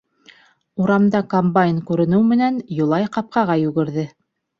Урамда комбайн күренеү менән, Юлай ҡапҡаға йүгерҙе.